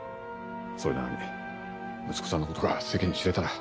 それなのに息子さんの事が世間に知れたら。